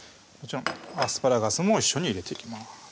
アスパラガスも一緒に入れていきます